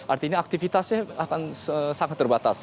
artinya aktivitasnya akan sangat terbatas